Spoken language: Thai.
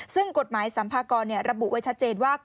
ซึ่งกฎหมายสัมภากรระบุไว้ชัดเจนว่า